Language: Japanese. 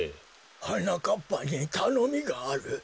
はなかっぱにたのみがある。